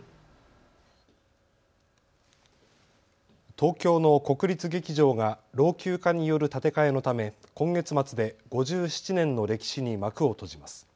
東京の国立劇場が老朽化による建て替えのため今月末で５７年の歴史に幕を閉じます。